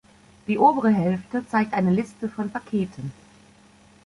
Die obere Hälfte zeigt eine Liste von Paketen.